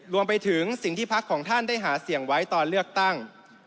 รวมไปถึงสิ่งที่พักของท่านได้หาเสียงไว้ตอนเลือกตั้ง